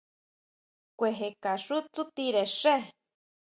Kujekaxú tsutire xe.